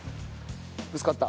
ぶつかった？